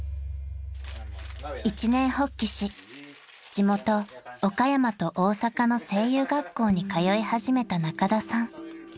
［一念発起し地元岡山と大阪の声優学校に通い始めた仲田さん］